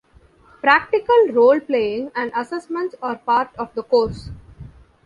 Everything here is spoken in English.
Practical role-playing and assessments are part of the course.